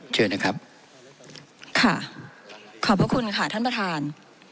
เชิญนะครับค่ะขอบพระคุณค่ะท่านประธาน